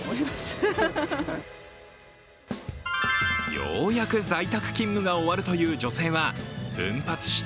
ようやく在宅勤務が終わるという女性は奮発して